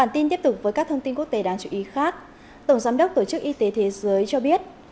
bản tin tiếp tục với các thông tin quốc tế đáng chú ý khác tổng giám đốc tổ chức y tế thế giới cho biết